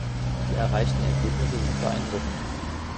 Die erreichten Ergebnisse sind beeindruckend!